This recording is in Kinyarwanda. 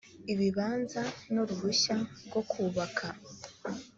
ibibanza n uruhushya rwo kubaka